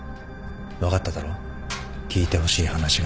分かっただろ聞いてほしい話が何か。